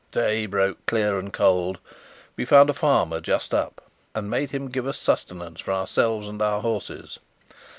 Day broke clear and cold. We found a farmer just up, and made him give us sustenance for ourselves and our horses.